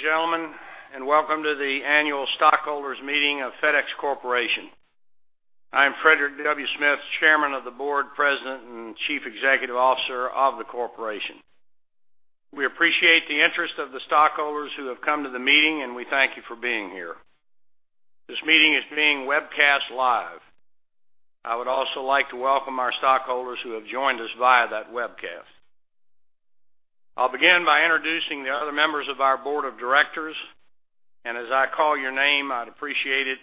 Good morning, ladies and gentlemen, and welcome to the annual stockholders' meeting of FedEx Corporation. I am Frederick W. Smith, Chairman of the Board, President, and Chief Executive Officer of the Corporation. We appreciate the interest of the stockholders who have come to the meeting, and we thank you for being here. This meeting is being webcast live. I would also like to welcome our stockholders who have joined us via that webcast. I'll begin by introducing the other members of our Board of Directors, and as I call your name, I'd appreciate it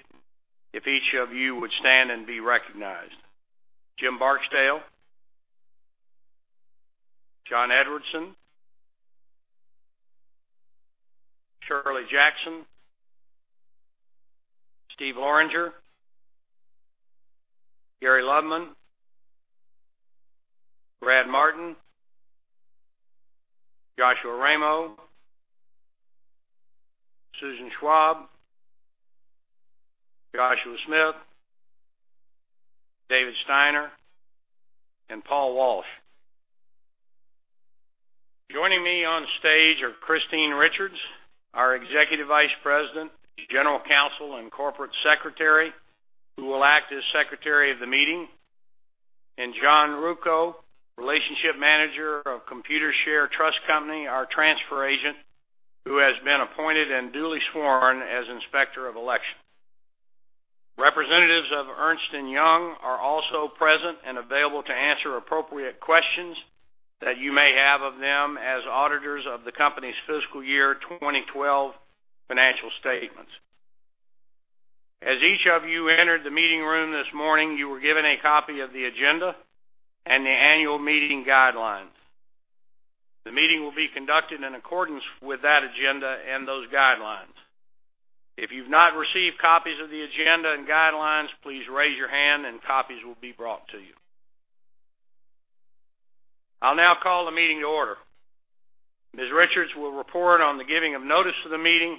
if each of you would stand and be recognized. Jim Barksdale, John Edwardson, Shirley Jackson, Steve Loranger, Gary Loveman, Brad Martin, Joshua Ramo, Susan Schwab, Joshua Smith, David Steiner, and Paul Walsh. Joining me on stage are Christine Richards, our Executive Vice President, General Counsel, and Corporate Secretary, who will act as Secretary of the Meeting, and John Ruocco, Relationship Manager of Computershare Trust Company, our Transfer Agent, who has been appointed and duly sworn as Inspector of Elections. Representatives of Ernst & Young are also present and available to answer appropriate questions that you may have of them as auditors of the company's fiscal year 2012 financial statements. As each of you entered the meeting room this morning, you were given a copy of the agenda and the annual meeting guidelines. The meeting will be conducted in accordance with that agenda and those guidelines. If you've not received copies of the agenda and guidelines, please raise your hand, and copies will be brought to you. I'll now call the meeting to order. Ms. Richards will report on the giving of notice of the meeting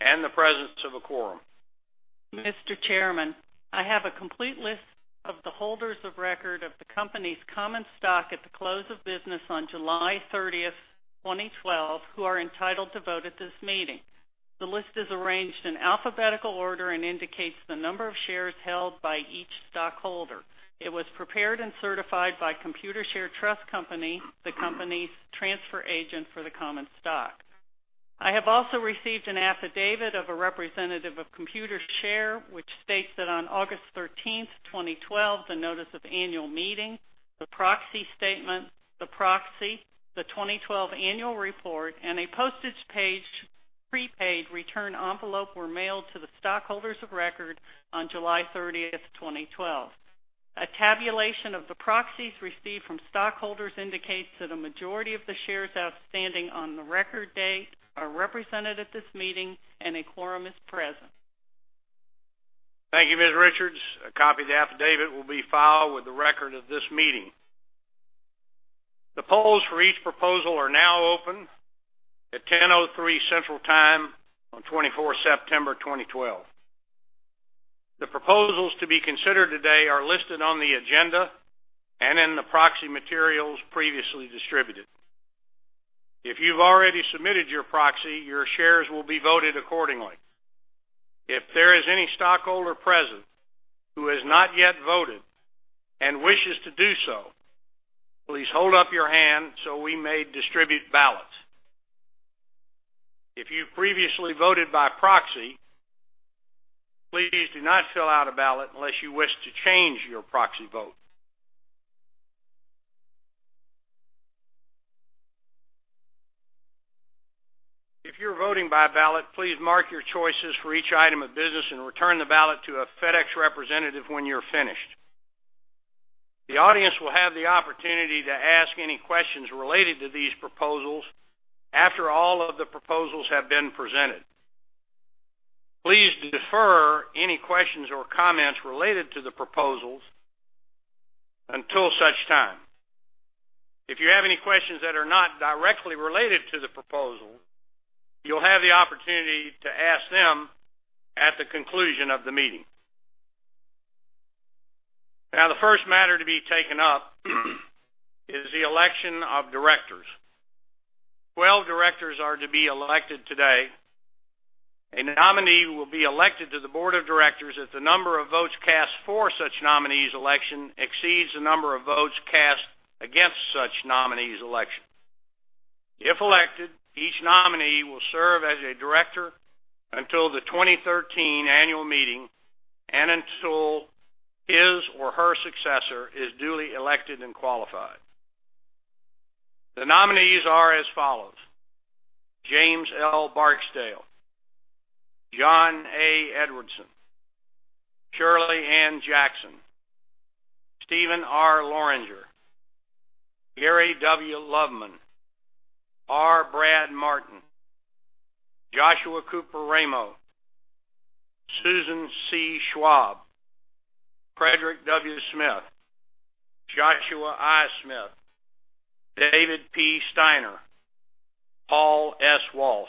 and the presence of a quorum. Mr. Chairman, I have a complete list of the holders of record of the company's common stock at the close of business on July 30, 2012, who are entitled to vote at this meeting. The list is arranged in alphabetical order and indicates the number of shares held by each stockholder. It was prepared and certified by Computershare Trust Company, the company's transfer agent for the common stock. I have also received an affidavit of a representative of Computershare Trust Company, which states that on August 13, 2012, the notice of annual meeting, the proxy statement, the proxy, the 2012 annual report, and a postage-paid, prepaid return envelope were mailed to the stockholders of record on July 30, 2012. A tabulation of the proxies received from stockholders indicates that a majority of the shares outstanding on the record date are represented at this meeting, and a quorum is present. Thank you, Ms. Richards. A copy of the affidavit will be filed with the record of this meeting. The polls for each proposal are now open at 10:03 A.M. Central Time on 24 September 2012. The proposals to be considered today are listed on the agenda and in the proxy materials previously distributed. If you've already submitted your proxy, your shares will be voted accordingly. If there is any stockholder present who has not yet voted and wishes to do so, please hold up your hand so we may distribute ballots. If you've previously voted by proxy, please do not fill out a ballot unless you wish to change your proxy vote. If you're voting by ballot, please mark your choices for each item of business and return the ballot to a FedEx representative when you're finished. The audience will have the opportunity to ask any questions related to these proposals after all of the proposals have been presented. Please defer any questions or comments related to the proposals until such time. If you have any questions that are not directly related to the proposals, you'll have the opportunity to ask them at the conclusion of the meeting. Now, the first matter to be taken up is the election of directors. 12 directors are to be elected today. A nominee will be elected to the Board of Directors if the number of votes cast for such nominees' election exceeds the number of votes cast against such nominees' election. If elected, each nominee will serve as a director until the 2013 annual meeting and until his or her successor is duly elected and qualified. The nominees are as follows: James L. Barksdale, John A. Edwardson, Shirley N. Jackson, Steven R. Loranger, Gary W. Loveman, R. Brad Martin, Joshua Cooper Ramo, Susan C. Schwab, Frederick W. Smith, Joshua I. Smith, David P. Steiner, Paul S. Walsh.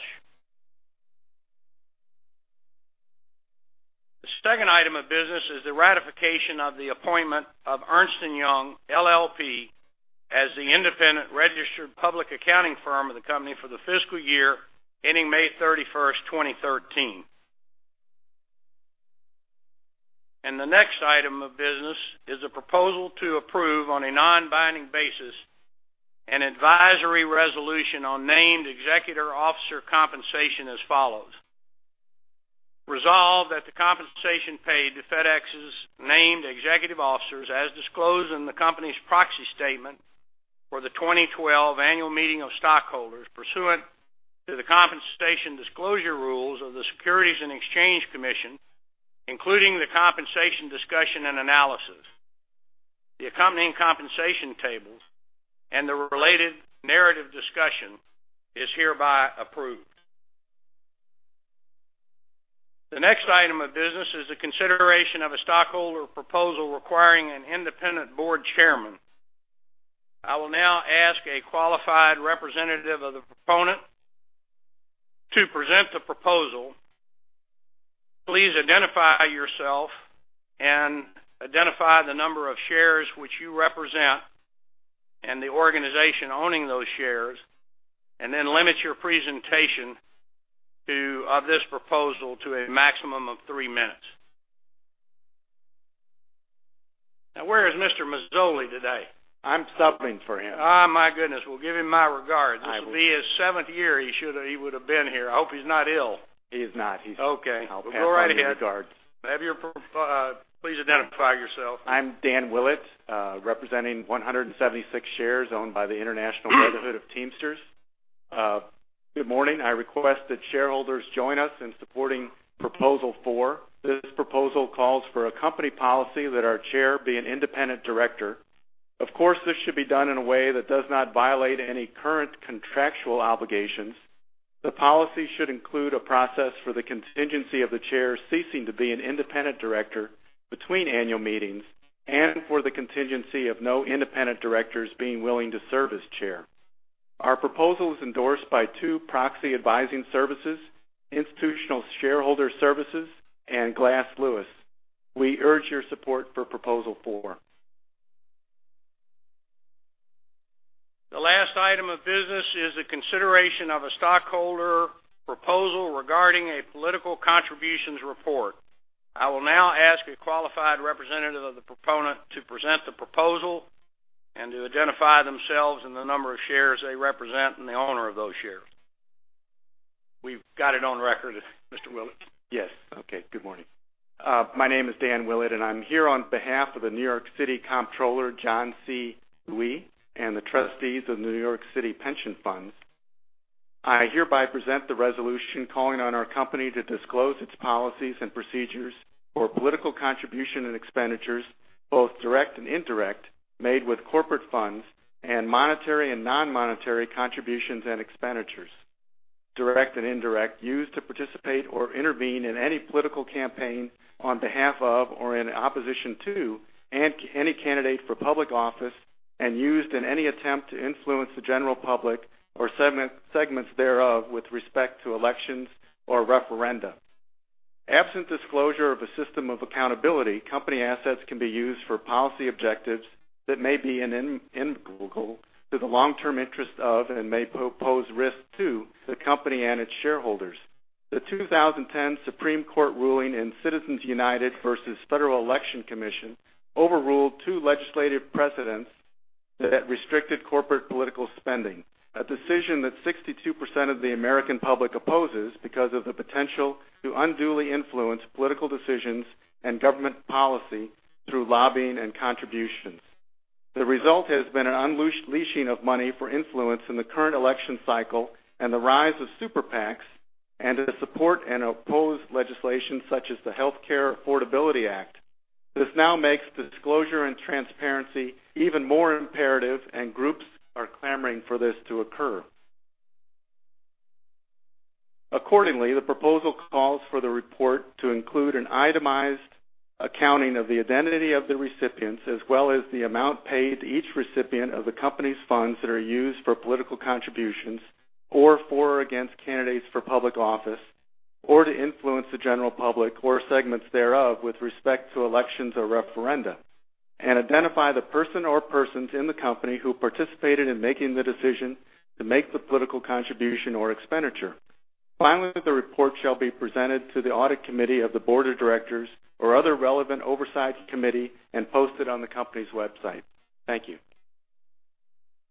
The second item of business is the ratification of the appointment of Ernst & Young LLP as the independent registered public accounting firm of the company for the fiscal year ending May 31, 2013. The next item of business is a proposal to approve on a non-binding basis an advisory resolution on named executive officer compensation as follows: Resolve that the compensation paid to FedEx's named executive officers, as disclosed in the company's proxy statement for the 2012 annual meeting of stockholders, pursuant to the compensation disclosure rules of the Securities and Exchange Commission, including the compensation discussion and analysis, the accompanying compensation tables and the related narrative discussion is hereby approved. The next item of business is the consideration of a stockholder proposal requiring an independent board chairman. I will now ask a qualified representative of the proponent to present the proposal. Please identify yourself and identify the number of shares which you represent and the organization owning those shares, and then limit your presentation of this proposal to a maximum of three minutes. Now, where is Mr. Mazzoli today? I'm stumbling for him. My goodness. Well, give him my regards. This will be his seventh year he would have been here. I hope he's not ill. He is not. He's okay. Okay. Well, go right ahead. I have my regards. Please identify yourself. I'm Dan Willett, representing 176 shares owned by the International Brotherhood of Teamsters. Good morning. I request that shareholders join us in supporting Proposal 4. This proposal calls for a company policy that our chair be an independent director. Of course, this should be done in a way that does not violate any current contractual obligations. The policy should include a process for the contingency of the chair ceasing to be an independent director between annual meetings and for the contingency of no independent directors being willing to serve as chair. Our proposal is endorsed by two proxy advising services, Institutional Shareholder Services and Glass Lewis. We urge your support for Proposal 4. The last item of business is the consideration of a stockholder proposal regarding a political contributions report. I will now ask a qualified representative of the proponent to present the proposal and to identify themselves and the number of shares they represent and the owner of those shares. We've got it on record, Mr. Willett. Yes. Okay. Good morning. My name is Dan Willett, and I'm here on behalf of the New York City Comptroller, John C. Liu, and the trustees of the New York City Pension Funds. I hereby present the resolution calling on our company to disclose its policies and procedures for political contribution and expenditures, both direct and indirect, made with corporate funds, and monetary and non-monetary contributions and expenditures. Direct and indirect used to participate or intervene in any political campaign on behalf of or in opposition to, and any candidate for public office, and used in any attempt to influence the general public or segments thereof with respect to elections or referenda. Absent disclosure of a system of accountability, company assets can be used for policy objectives that may be inviolable to the long-term interest of and may pose risk to the company and its shareholders. The 2010 Supreme Court ruling in Citizens United v. Federal Election Commission overruled two legislative precedents that restricted corporate political spending, a decision that 62% of the American public opposes because of the potential to unduly influence political decisions and government policy through lobbying and contributions. The result has been an unleashing of money for influence in the current election cycle and the rise of Super PACs and the support and opposed legislation such as the Healthcare Affordability Act. This now makes disclosure and transparency even more imperative, and groups are clamoring for this to occur. Accordingly, the proposal calls for the report to include an itemized accounting of the identity of the recipients, as well as the amount paid to each recipient of the company's funds that are used for political contributions or for or against candidates for public office, or to influence the general public or segments thereof with respect to elections or referenda, and identify the person or persons in the company who participated in making the decision to make the political contribution or expenditure. Finally, the report shall be presented to the audit committee of the Board of Directors or other relevant oversight committee and posted on the company's website. Thank you.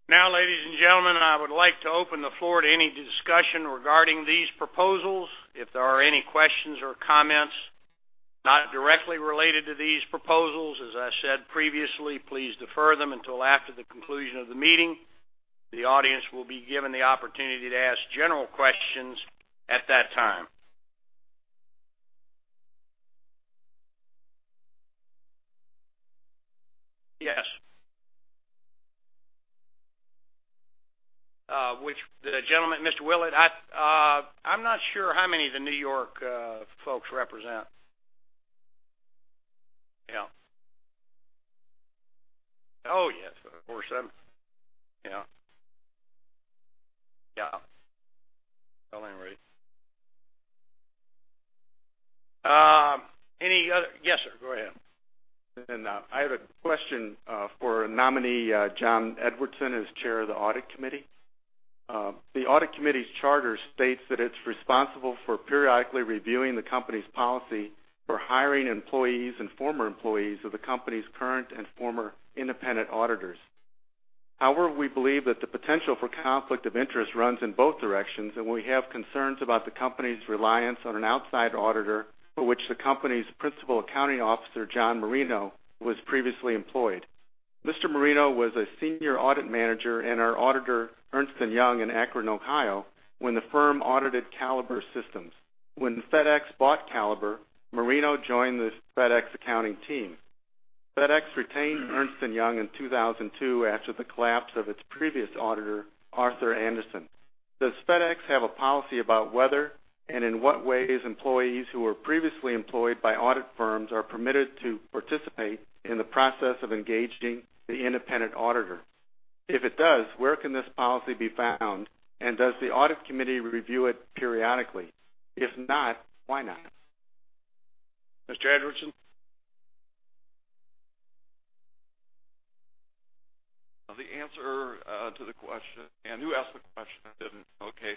Now, ladies and gentlemen, I would like to open the floor to any discussion regarding these proposals. If there are any questions or comments not directly related to these proposals, as I said previously, please defer them until after the conclusion of the meeting. The audience will be given the opportunity to ask general questions at that time. Yes. Mr. Willett, I'm not sure how many of the New York folks represent. Yeah. Oh, yes. Of course. Yeah. Yeah. Well, anyway. Any other—yes, sir. Go ahead. I have a question for nominee John Edwardson as chair of the audit committee. The audit committee's charter states that it's responsible for periodically reviewing the company's policy for hiring employees and former employees of the company's current and former independent auditors. However, we believe that the potential for conflict of interest runs in both directions, and we have concerns about the company's reliance on an outside auditor for which the company's principal accounting officer, John Marino, was previously employed. Mr. Marino was a senior audit manager and our auditor, Ernst & Young in Akron, Ohio, when the firm audited Caliber Systems. When FedEx bought Caliber, Marino joined the FedEx accounting team. FedEx retained Ernst & Young in 2002 after the collapse of its previous auditor, Arthur Andersen. Does FedEx have a policy about whether and in what ways employees who were previously employed by audit firms are permitted to participate in the process of engaging the independent auditor? If it does, where can this policy be found, and does the audit committee review it periodically? If not, why not? Mr. Edwardson? The answer to the question, and who asked the question? Okay.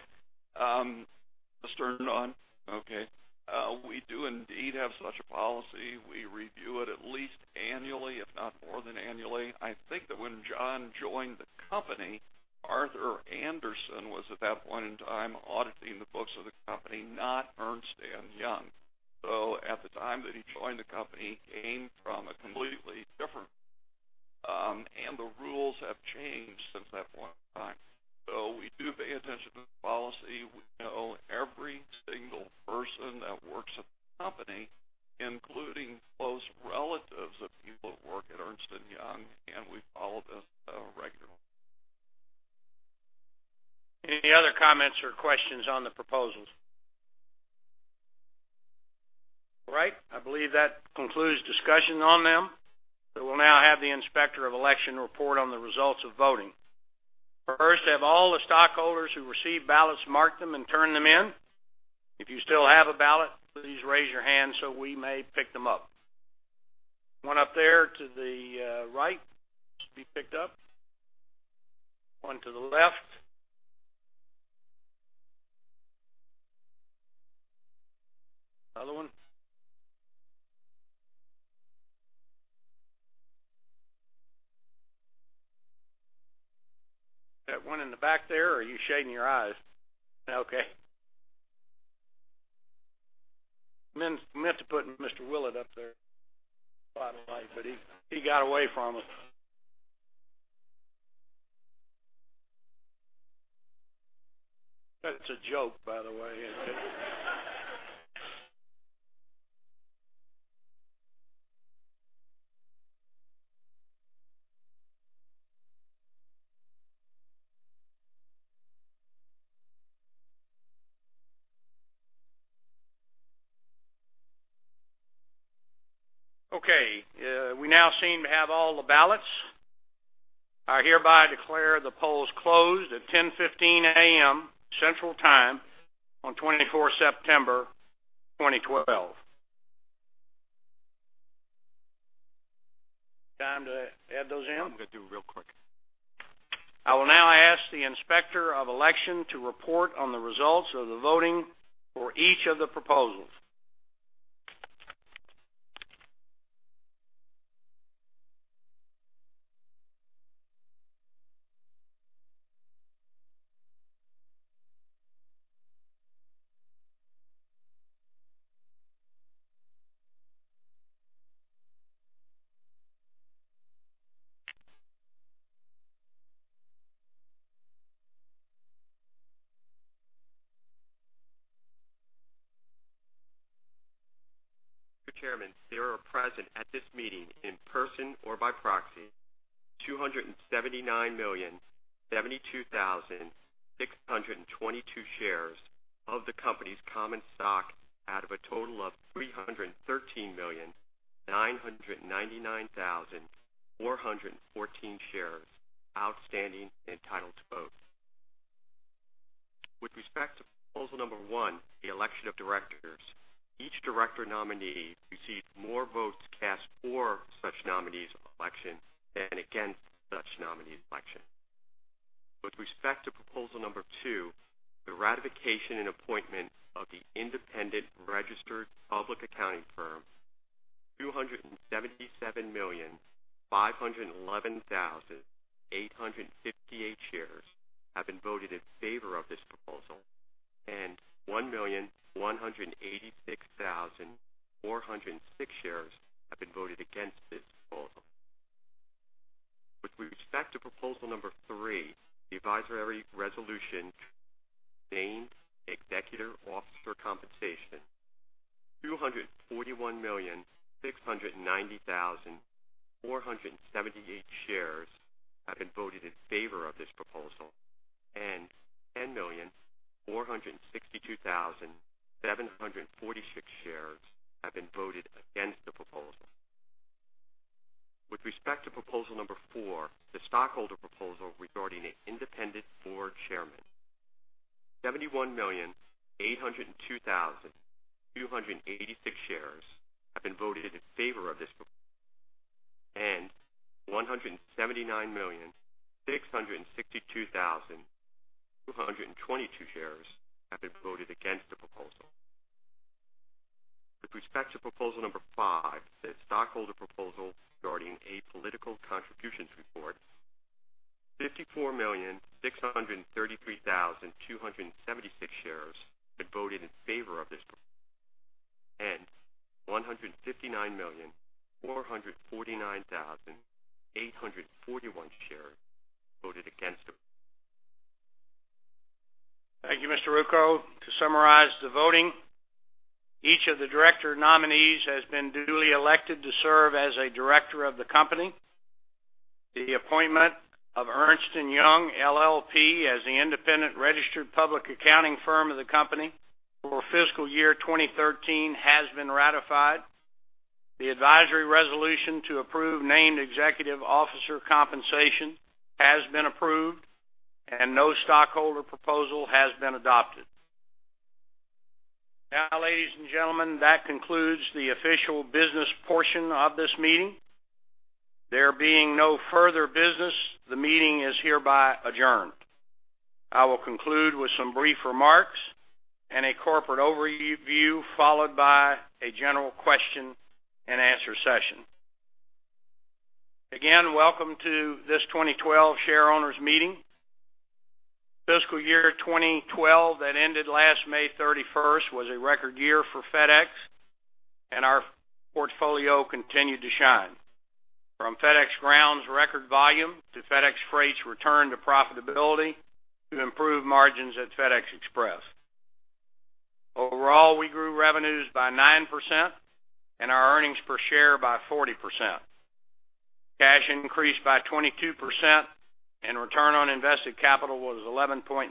Mr. Lernon? Okay. We do indeed have such a policy. We review it at least annually, if not more than annually. I think that when John joined the company, Arthur Andersen was at that point in time auditing the books of the company, not Ernst & Young. So at the time that he joined the company, he came from a completely different, and the rules have changed since that point in time. So we do pay attention to the policy. We know every single person that works at the company, including close relatives of people who work at Ernst & Young, and we follow this regularly. Any other comments or questions on the proposals? All right. I believe that concludes discussion on them. So we'll now have the inspector of election report on the results of voting. First, have all the stockholders who received ballots marked them and turned them in? If you still have a ballot, please raise your hand so we may pick them up. One up there to the right should be picked up. One to the left. Another one? That one in the back there? Are you shading your eyes? Okay. Meant to put Mr. Willett up there. But he got away from us. That's a joke, by the way. Okay. We now seem to have all the ballots. I hereby declare the polls closed at 10:15 A.M. Central Time on 24 September 2012. Time to add those in? I'm going to do it real quick. I will now ask the Inspector of Election to report on the results of the voting for each of the proposals. Chairman, there are present at this meeting in person or by proxy 279,072,622 shares of the company's common stock out of a total of 313,999,414 shares outstanding and entitled to vote. With respect to proposal number one, the election of directors, each director nominee received more votes cast for such nominees' election than against such nominees' election. With respect to proposal number two, the ratification and appointment of the independent registered public accounting firm, 277,511,858 shares have been voted in favor of this proposal, and 1,186,406 shares have been voted against this proposal. With respect to proposal number three, the advisory resolution named executive officer compensation, 241,690,478 shares have been voted in favor of this proposal, and 10,462,746 shares have been voted against the proposal. With respect to proposal number four, the stockholder proposal regarding an independent board chairman, 71,802,286 shares have been voted in favor of this proposal, and 179,662,222 shares have been voted against the proposal. With respect to proposal number five, the stockholder proposal regarding a political contributions report, 54,633,276 shares have been voted in favor of this proposal, and 159,449,841 shares voted against the proposal. Thank you, Mr. Ruocco. To summarize the voting, each of the director nominees has been duly elected to serve as a director of the company. The appointment of Ernst & Young LLP as the independent registered public accounting firm of the company for fiscal year 2013 has been ratified. The advisory resolution to approve named executive officer compensation has been approved, and no stockholder proposal has been adopted. Now, ladies and gentlemen, that concludes the official business portion of this meeting. There being no further business, the meeting is hereby adjourned. I will conclude with some brief remarks and a corporate overview followed by a general question-and-answer session. Again, welcome to this 2012 shareholders' meeting. Fiscal year 2012 that ended last May 31st was a record year for FedEx, and our portfolio continued to shine. From FedEx Ground's record volume to FedEx Freight's return to profitability to improved margins at FedEx Express. Overall, we grew revenues by 9% and our earnings per share by 40%. Cash increased by 22%, and return on invested capital was 11.9%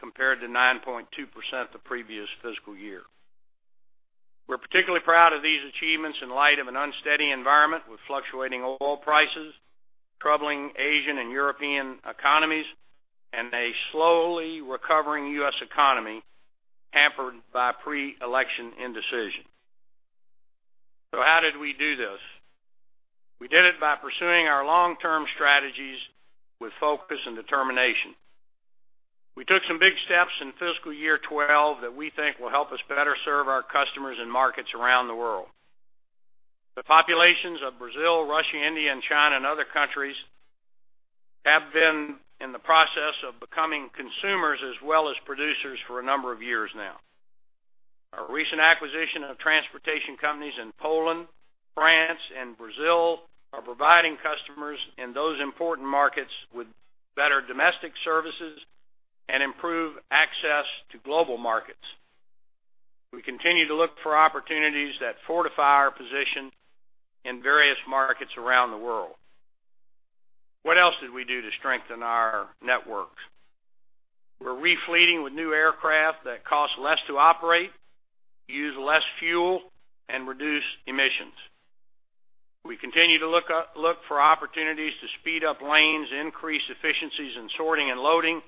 compared to 9.2% the previous fiscal year. We're particularly proud of these achievements in light of an unsteady environment with fluctuating oil prices, troubling Asian and European economies, and a slowly recovering U.S. economy hampered by pre-election indecision. So how did we do this? We did it by pursuing our long-term strategies with focus and determination. We took some big steps in fiscal year 2012 that we think will help us better serve our customers and markets around the world. The populations of Brazil, Russia, India, and China and other countries have been in the process of becoming consumers as well as producers for a number of years now. Our recent acquisition of transportation companies in Poland, France, and Brazil are providing customers in those important markets with better domestic services and improved access to global markets. We continue to look for opportunities that fortify our position in various markets around the world. What else did we do to strengthen our networks? We're refleeting with new aircraft that cost less to operate, use less fuel, and reduce emissions. We continue to look for opportunities to speed up lanes, increase efficiencies in sorting and loading,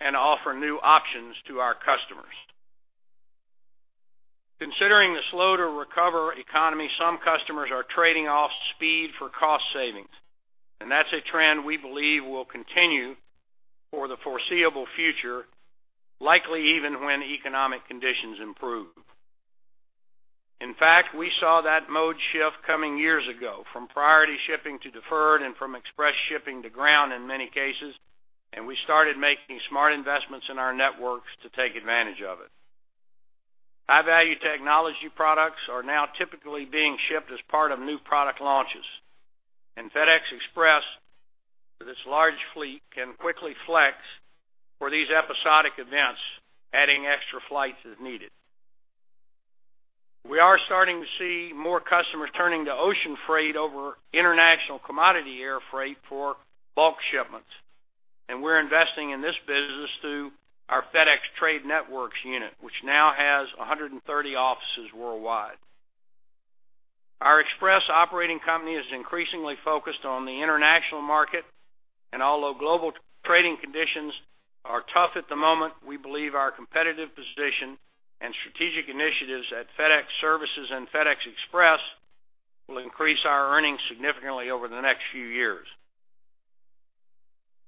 and offer new options to our customers. Considering the slow-to-recover economy, some customers are trading off speed for cost savings, and that's a trend we believe will continue for the foreseeable future, likely even when economic conditions improve. In fact, we saw that mode shift coming years ago from priority shipping to deferred and from express shipping to ground in many cases, and we started making smart investments in our networks to take advantage of it. High-value technology products are now typically being shipped as part of new product launches, and FedEx Express, with its large fleet, can quickly flex for these episodic events, adding extra flights as needed. We are starting to see more customers turning to ocean freight over international commodity air freight for bulk shipments, and we're investing in this business through our FedEx Trade Networks unit, which now has 130 offices worldwide. Our express operating company is increasingly focused on the international market, and although global trading conditions are tough at the moment, we believe our competitive position and strategic initiatives at FedEx Services and FedEx Express will increase our earnings significantly over the next few years.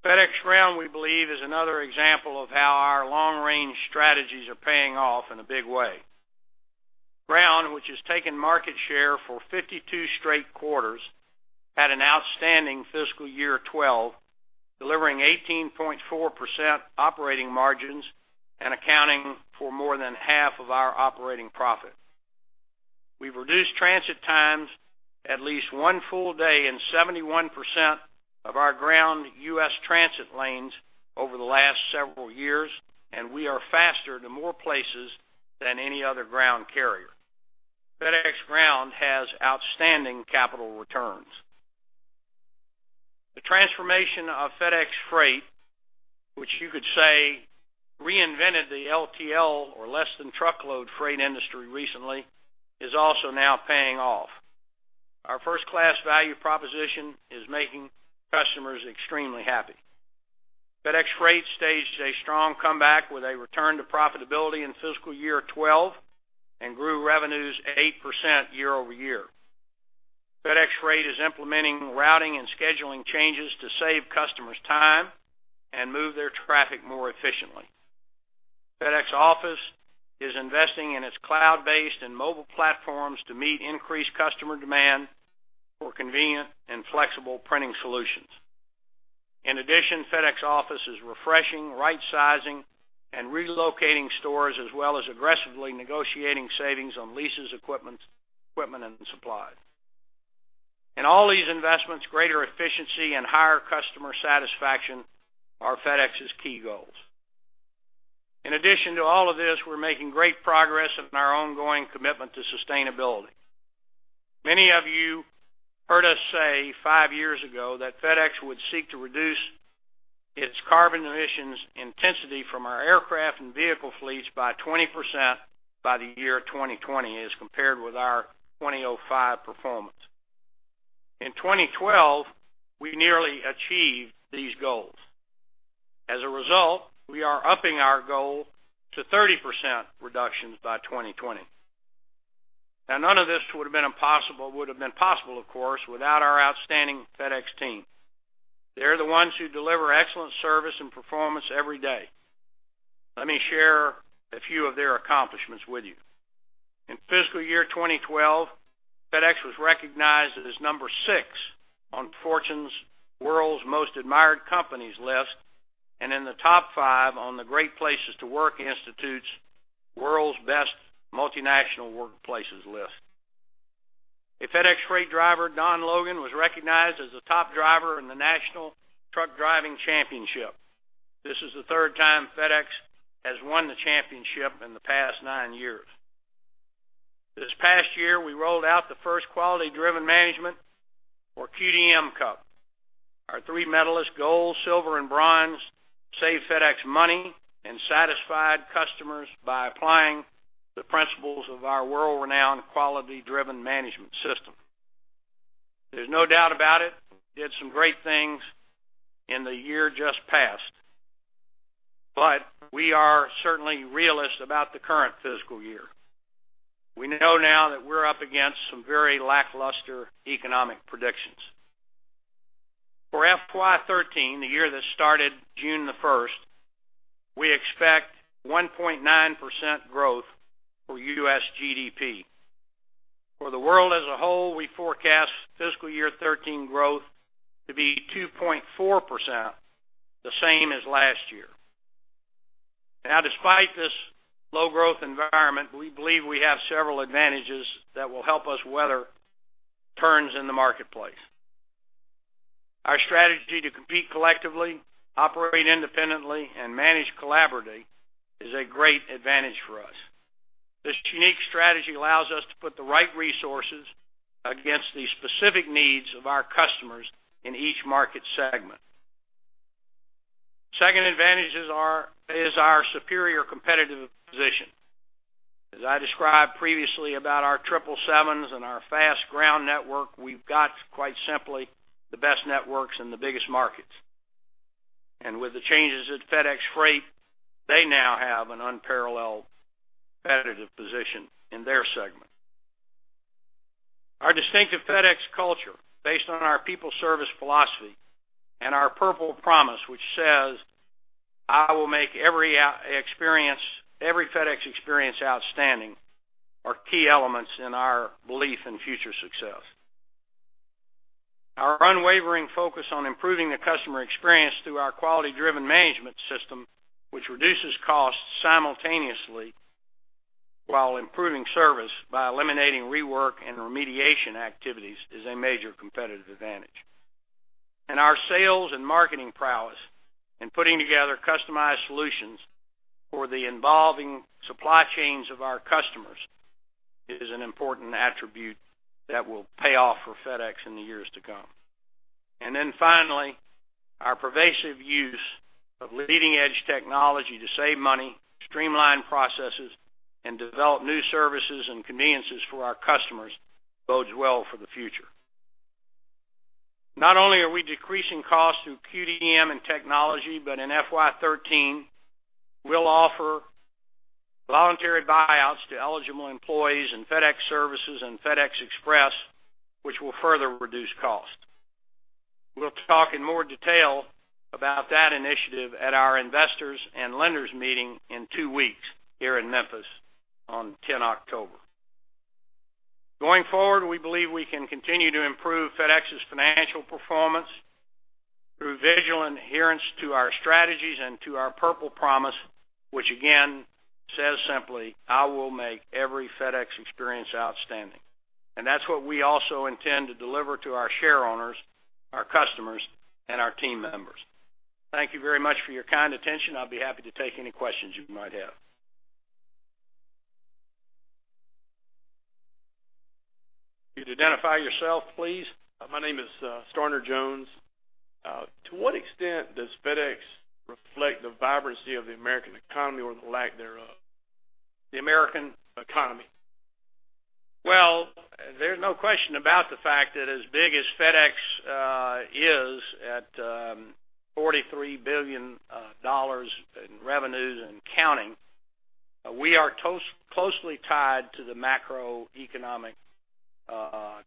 FedEx Ground, we believe, is another example of how our long-range strategies are paying off in a big way. Ground, which has taken market share for 52 straight quarters, had an outstanding fiscal year 2012, delivering 18.4% operating margins and accounting for more than half of our operating profit. We've reduced transit times at least one full day in 71% of our ground U.S. transit lanes over the last several years, and we are faster to more places than any other ground carrier. FedEx Ground has outstanding capital returns. The transformation of FedEx Freight, which you could say reinvented the LTL or less-than-truckload freight industry recently, is also now paying off. Our first-class value proposition is making customers extremely happy. FedEx Freight staged a strong comeback with a return to profitability in fiscal year 2012 and grew revenues 8% year-over-year. FedEx Freight is implementing routing and scheduling changes to save customers' time and move their traffic more efficiently. FedEx Office is investing in its cloud-based and mobile platforms to meet increased customer demand for convenient and flexible printing solutions. In addition, FedEx Office is refreshing, right-sizing, and relocating stores, as well as aggressively negotiating savings on leases, equipment, and supplies. In all these investments, greater efficiency and higher customer satisfaction are FedEx's key goals. In addition to all of this, we're making great progress in our ongoing commitment to sustainability. Many of you heard us say five years ago that FedEx would seek to reduce its carbon emissions intensity from our aircraft and vehicle fleets by 20% by the year 2020 as compared with our 2005 performance. In 2012, we nearly achieved these goals. As a result, we are upping our goal to 30% reductions by 2020. Now, none of this would have been possible, of course, without our outstanding FedEx team. They're the ones who deliver excellent service and performance every day. Let me share a few of their accomplishments with you. In fiscal year 2012, FedEx was recognized as number 6 on Fortune's World's Most Admired Companies list and in the top 5 on the Great Place to Work Institute's World's Best Multinational Workplaces list. A FedEx Freight driver, Don Logan, was recognized as a top driver in the National Truck Driving Championship. This is the third time FedEx has won the championship in the past 9 years. This past year, we rolled out the first Quality-Driven Management for QDM Cup. Our three medalists, gold, silver, and bronze, saved FedEx money and satisfied customers by applying the principles of our world-renowned Quality-Driven Management system. There's no doubt about it, we did some great things in the year just passed, but we are certainly realistic about the current fiscal year. We know now that we're up against some very lackluster economic predictions. For FY 2013, the year that started June the 1st, we expect 1.9% growth for U.S. GDP. For the world as a whole, we forecast fiscal year 2013 growth to be 2.4%, the same as last year. Now, despite this low-growth environment, we believe we have several advantages that will help us weather turns in the marketplace. Our strategy to compete collectively, operate independently, and manage collaboratively is a great advantage for us. This unique strategy allows us to put the right resources against the specific needs of our customers in each market segment. Second advantage is our superior competitive position. As I described previously about our triple sevens and our fast ground network, we've got, quite simply, the best networks in the biggest markets. And with the changes at FedEx Freight, they now have an unparalleled competitive position in their segment. Our distinctive FedEx culture, based on our people service philosophy and our purple promise, which says, "I will make every FedEx experience outstanding," are key elements in our belief in future success. Our unwavering focus on improving the customer experience through our quality-driven management system, which reduces costs simultaneously while improving service by eliminating rework and remediation activities, is a major competitive advantage. Our sales and marketing prowess in putting together customized solutions for the evolving supply chains of our customers is an important attribute that will pay off for FedEx in the years to come. Then finally, our pervasive use of leading-edge technology to save money, streamline processes, and develop new services and conveniences for our customers bodes well for the future. Not only are we decreasing costs through QDM and technology, but in FY 2013, we'll offer voluntary buyouts to eligible employees in FedEx Services and FedEx Express, which will further reduce costs. We'll talk in more detail about that initiative at our investors' and lenders' meeting in two weeks here in Memphis on 10 October. Going forward, we believe we can continue to improve FedEx's financial performance through vigilant adherence to our strategies and to our purple promise, which again says simply, "I will make every FedEx experience outstanding." And that's what we also intend to deliver to our shareholders, our customers, and our team members. Thank you very much for your kind attention. I'll be happy to take any questions you might have. Could you identify yourself, please? My name is Starner Jones. To what extent does FedEx reflect the vibrancy of the American economy or the lack thereof? The American economy. Well, there's no question about the fact that as big as FedEx is at $43 billion in revenues and counting, we are closely tied to the macroeconomic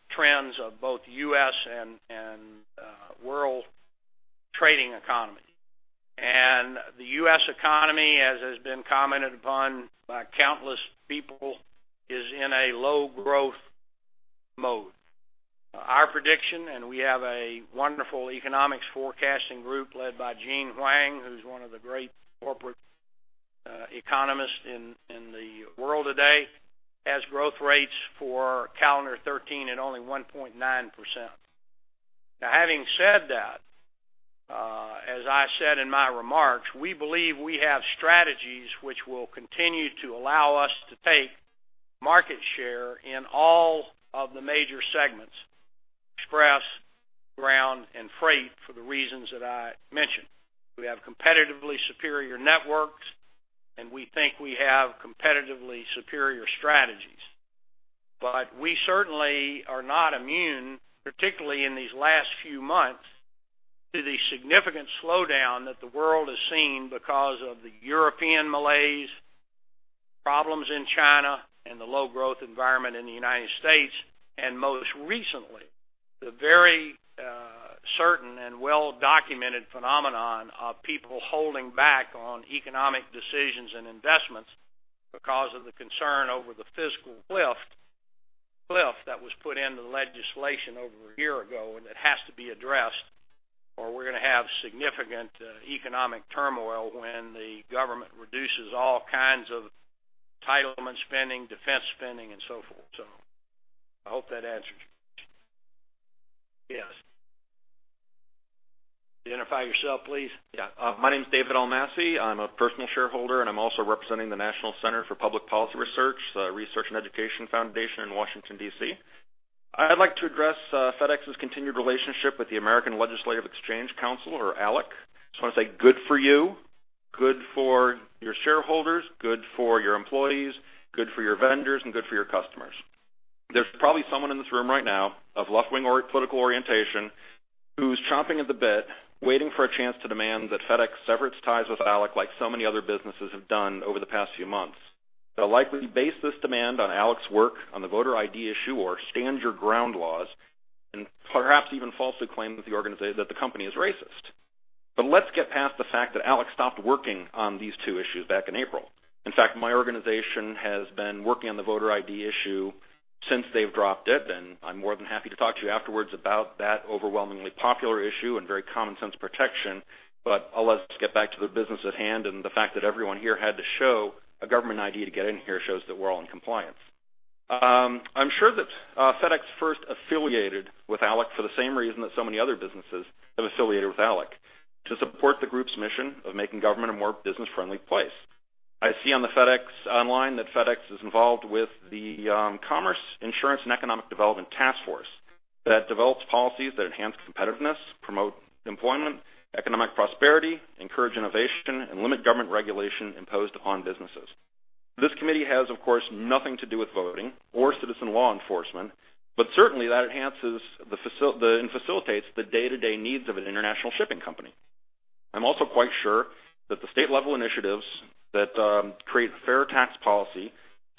trends of both U.S. and world trading economy. The U.S. economy, as has been commented upon by countless people, is in a low-growth mode. Our prediction, and we have a wonderful economics forecasting group led by Gene Huang, who's one of the great corporate economists in the world today, has growth rates for calendar 2013 at only 1.9%. Now, having said that, as I said in my remarks, we believe we have strategies which will continue to allow us to take market share in all of the major segments: express, ground, and freight for the reasons that I mentioned. We have competitively superior networks, and we think we have competitively superior strategies. But we certainly are not immune, particularly in these last few months, to the significant slowdown that the world has seen because of the European malaise, problems in China, and the low-growth environment in the United States, and most recently, the very certain and well-documented phenomenon of people holding back on economic decisions and investments because of the concern over the fiscal cliff that was put into the legislation over a year ago, and it has to be addressed, or we're going to have significant economic turmoil when the government reduces all kinds of entitlement spending, defense spending, and so forth. So I hope that answers your question. Yes. Identify yourself, please. Yeah. My name's David Almasi. I'm a personal shareholder, and I'm also representing the National Center for Public Policy Research, the Research and Education Foundation in Washington, D.C. I'd like to address FedEx's continued relationship with the American Legislative Exchange Council, or ALEC. I just want to say good for you, good for your shareholders, good for your employees, good for your vendors, and good for your customers. There's probably someone in this room right now of left-wing political orientation who's chomping at the bit, waiting for a chance to demand that FedEx sever its ties with ALEC like so many other businesses have done over the past few months. They'll likely base this demand on ALEC's work on the voter ID issue or stand-your-ground laws and perhaps even falsely claim that the company is racist. But let's get past the fact that ALEC stopped working on these two issues back in April. In fact, my organization has been working on the voter ID issue since they've dropped it, and I'm more than happy to talk to you afterwards about that overwhelmingly popular issue and very common-sense protection, but I'll let us get back to the business at hand and the fact that everyone here had to show a government ID to get in here shows that we're all in compliance. I'm sure that FedEx first affiliated with ALEC for the same reason that so many other businesses have affiliated with ALEC: to support the group's mission of making government a more business-friendly place. I see on the FedEx online that FedEx is involved with the Commerce, Insurance, and Economic Development Task Force that develops policies that enhance competitiveness, promote employment, economic prosperity, encourage innovation, and limit government regulation imposed upon businesses. This committee has, of course, nothing to do with voting or citizen law enforcement, but certainly that enhances and facilitates the day-to-day needs of an international shipping company. I'm also quite sure that the state-level initiatives that create fair tax policy,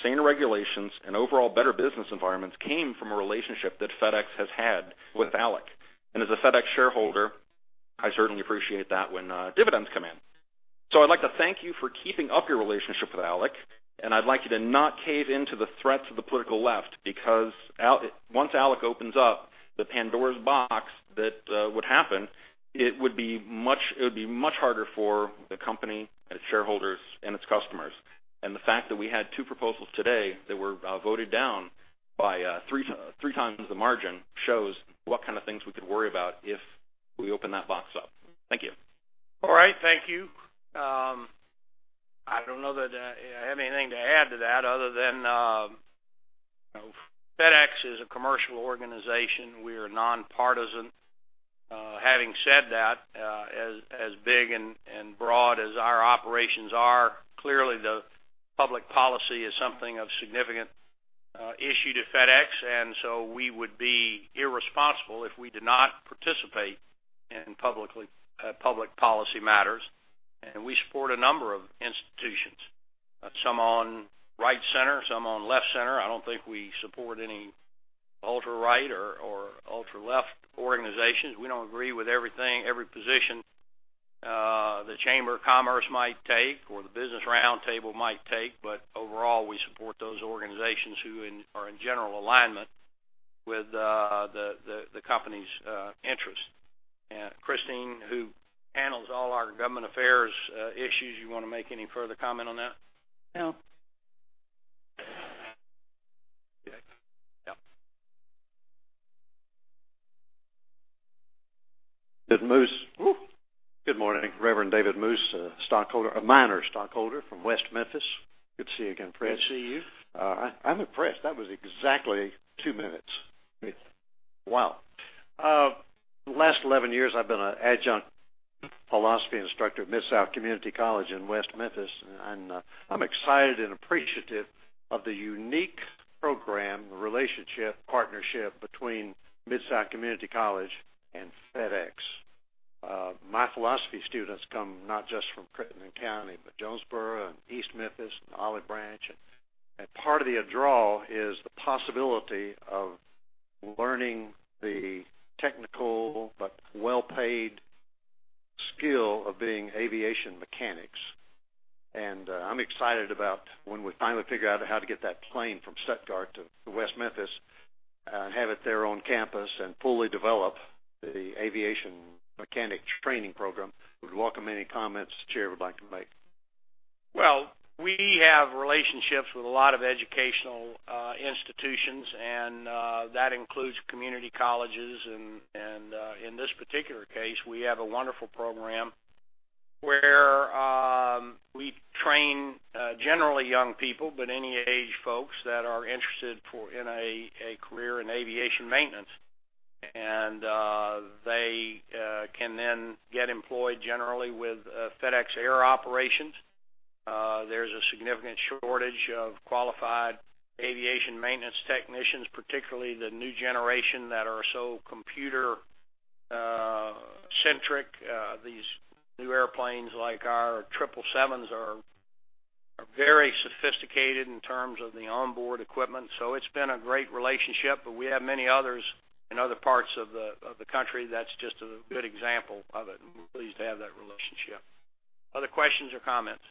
sane regulations, and overall better business environments came from a relationship that FedEx has had with ALEC. As a FedEx shareholder, I certainly appreciate that when dividends come in. I'd like to thank you for keeping up your relationship with ALEC, and I'd like you to not cave into the threats of the political left because once ALEC opens up the Pandora's box, that would happen, it would be much harder for the company, its shareholders, and its customers. And the fact that we had two proposals today that were voted down by three times the margin shows what kind of things we could worry about if we open that box up. Thank you. All right. Thank you. I don't know that I have anything to add to that other than FedEx is a commercial organization. We are nonpartisan. Having said that, as big and broad as our operations are, clearly the public policy is something of significant issue to FedEx, and so we would be irresponsible if we did not participate in public policy matters. And we support a number of institutions, some on right center, some on left center. I don't think we support any ultra-right or ultra-left organizations. We don't agree with everything, every position the Chamber of Commerce might take or the Business Roundtable might take, but overall, we support those organizations who are in general alignment with the company's interests. Christine, who handles all our government affairs issues, you want to make any further comment on that? No. Okay. Yeah. David Moose. Good morning. Reverend David Moose, a minor stockholder from West Memphis. Good to see you again, Fred. Good to see you. All right. I'm impressed. That was exactly 2 minutes. Wow. The last 11 years, I've been an adjunct philosophy instructor at Mid-South Community College in West Memphis, and I'm excited and appreciative of the unique program, relationship, partnership between Mid-South Community College and FedEx. My philosophy students come not just from Crittenden County, but Jonesboro and East Memphis and Olive Branch. Part of the withdrawal is the possibility of learning the technical but well-paid skill of being aviation mechanics. I'm excited about when we finally figure out how to get that plane from Stuttgart to West Memphis and have it there on campus and fully develop the aviation mechanic training program. Would welcome any comments the chair would like to make. Well, we have relationships with a lot of educational institutions, and that includes community colleges. In this particular case, we have a wonderful program where we train generally young people, but any age folks that are interested in a career in aviation maintenance. They can then get employed generally with FedEx Air Operations. There's a significant shortage of qualified aviation maintenance technicians, particularly the new generation that are so computer-centric. These new airplanes like our triple sevens are very sophisticated in terms of the onboard equipment. So it's been a great relationship, but we have many others in other parts of the country that's just a good example of it. We're pleased to have that relationship. Other questions or comments?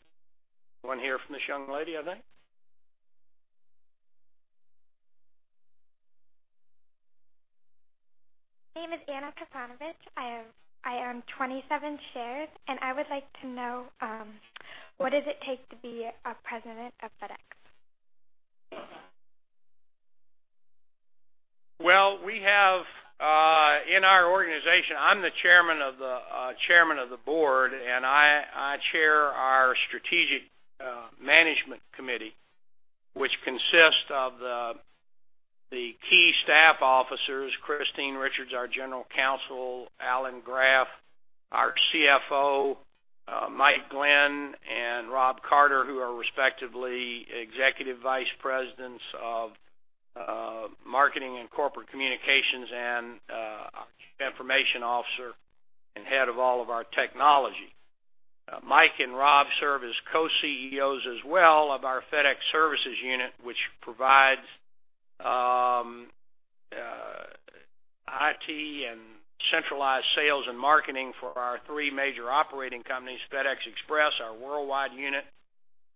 One here from this young lady, I think. My name is Anna Krasanovich. I own 27 shares, and I would like to know what does it take to be a president of FedEx? Well, we have in our organization, I'm the chairman of the board, and I chair our Strategic Management Committee, which consists of the key staff officers, Christine Richards, our General Counsel, Alan Graf, our CFO, Mike Glenn, and Rob Carter, who are respectively Executive Vice Presidents of marketing and corporate communications and information officer and head of all of our technology. Mike and Rob serve as co-CEOs as well of our FedEx Services Unit, which provides IT and centralized sales and marketing for our three major operating companies: FedEx Express, our worldwide unit;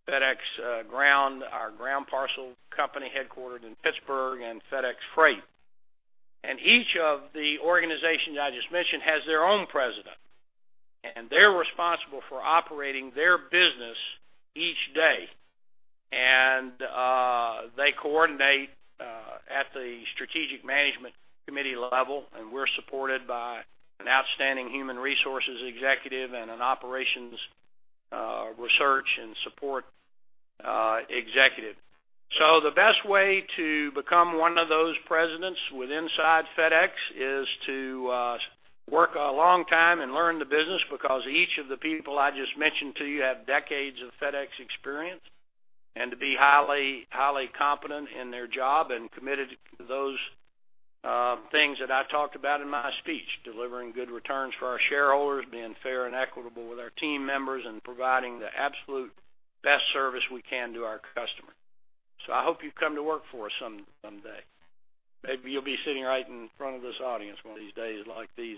FedEx Ground, our ground parcel company headquartered in Pittsburgh; and FedEx Freight. Each of the organizations I just mentioned has their own president, and they're responsible for operating their business each day. They coordinate at the Strategic Management Committee level, and we're supported by an outstanding human resources executive and an operations research and support executive. So the best way to become one of those presidents with inside FedEx is to work a long time and learn the business because each of the people I just mentioned to you have decades of FedEx experience and to be highly competent in their job and committed to those things that I talked about in my speech: delivering good returns for our shareholders, being fair and equitable with our team members, and providing the absolute best service we can to our customers. So I hope you come to work for us someday. Maybe you'll be sitting right in front of this audience one of these days like these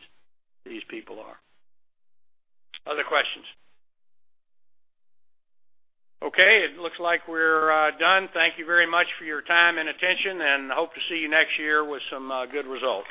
people are. Other questions? Okay. It looks like we're done. Thank you very much for your time and attention, and hope to see you next year with some good results.